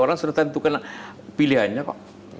orang sudah tentukan pilihannya kok